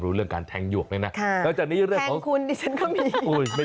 แทงคุณก็มี